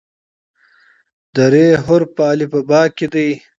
د "ر" حرف په الفبا کې دی.